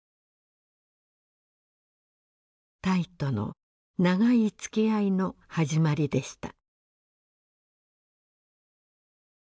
タイとの長いつきあいの始まりでした。